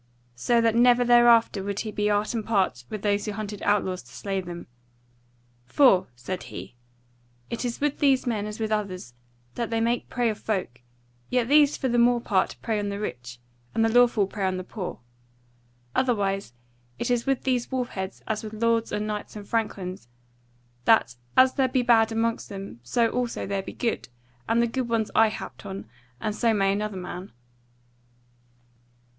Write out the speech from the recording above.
So that never thereafter would he be art and part with those who hunted outlaws to slay them. "For," said he, "it is with these men as with others, that they make prey of folk; yet these for the more part prey on the rich, and the lawful prey on the poor. Otherwise it is with these wolfheads as with lords and knights and franklins, that as there be bad amongst them, so also there be good; and the good ones I happed on, and so may another man."